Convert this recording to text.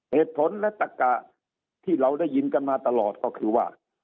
เหตุผลและตะกะที่เราได้ยินกันมาตลอดก็คือว่า